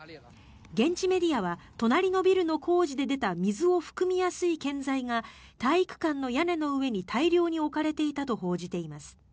現地メディアは隣のビルの工事で出た水を含みやすい建材が体育館の屋根の上に大量に置かれていたと報じています。